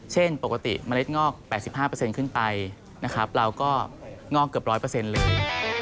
เช่นปกติเมล็ดงอก๘๕ขึ้นไปนะครับเราก็งอกเกือบ๑๐๐เลย